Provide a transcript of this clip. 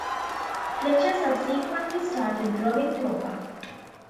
Fletcher subsequently started drawing Torkan.